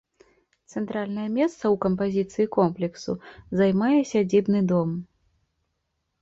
Цэнтральнае месца ў кампазіцыі комплексу займае сядзібны дом.